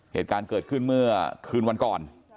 เหตุการณ์เกิดขึ้นเมื่อคืนวันก่อน